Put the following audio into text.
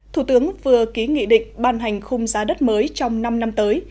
thủ tướng vừa ký nghị định ban hành khung giá đất mới trong năm năm tới